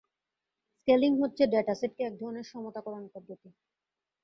Scaling হচ্ছে ডেটাসেটকে একধরণের সমতা করন পদ্ধতি।